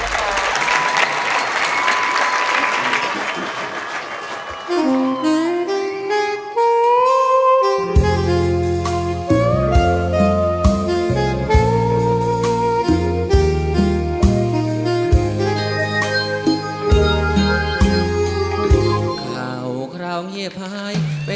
ขอบคุณมากครับ